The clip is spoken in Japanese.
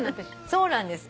そうなんです。